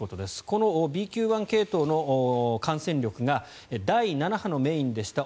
このＢＱ．１系統の感染力が、第７波のメインでした